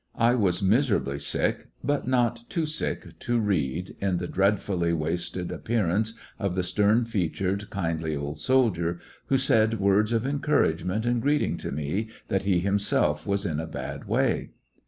I was miserably sick, but not too sick to read in the dreadfully wasted appearance of the stern featured, kindly old soldier, who said words of encouragement 168 lyiissionarY in t^e Great West and greeting to me, that he himself was in a bad way.